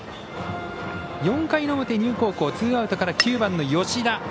４回の表、丹生高校ツーアウトから９番の吉田。